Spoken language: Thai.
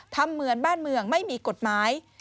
ทำเหมือนบ้านเมืองไม่มีกฎหมาย